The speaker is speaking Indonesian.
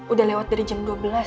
udah lewat dari jam dua belas